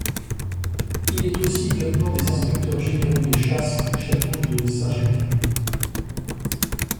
Il est aussi lieutenant des inspecteurs généraux des chasses du château de Saint-Germain.